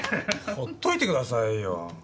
放っといてくださいよ。